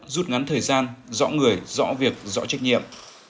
rút ngắn thời gian rõ người rõ việc rõ trách nhiệm